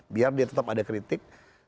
biar dia tetap ada kritik